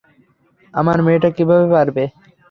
আমার মেয়েটা কীভাবে পারবে?